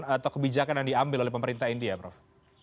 atau kebijakan yang diambil oleh pemerintah india prof